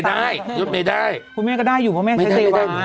ได้รถเมย์ได้คุณแม่ก็ได้อยู่เพราะแม่ใช้เทวา